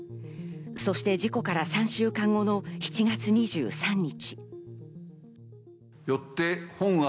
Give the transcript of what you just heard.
そして事故から３週間後の７月２３日。